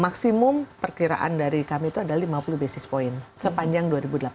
maksimum perkiraan dari kami itu ada lima puluh basis point sepanjang dua ribu delapan belas